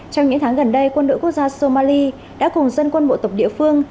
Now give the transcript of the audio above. trong những tháng gần đây quân đội quốc gia somali đã cùng dân quân bộ tộc địa phương